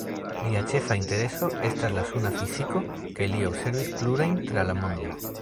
Lia ĉefa intereso estas la suna fiziko kaj li observis plurajn tra la mondo.